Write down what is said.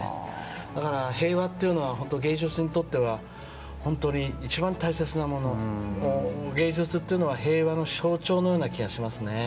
だから平和っていうのは芸術にとっては本当に一番大切なもので芸術というのは平和の象徴のような気がしますね。